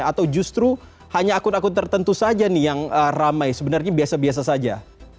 atau justru hanya akun akun tertentu saja nih yang ramai sebenarnya biasa biasa saja